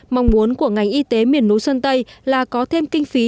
mong muốn của ngành y tế miền núi sơn tây là có thêm kinh phí